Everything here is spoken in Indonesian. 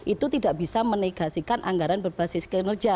itu tidak bisa menegasikan anggaran berbasis kinerja